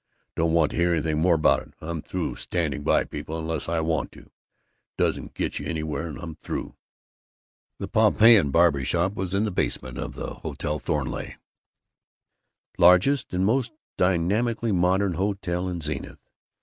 Don't want to hear anything more about it! I'm through standing by people unless I want to. It doesn't get you anywhere. I'm through!" The Pompeian Barber Shop was in the basement of the Hotel Thornleigh, largest and most dynamically modern hotel in Zenith.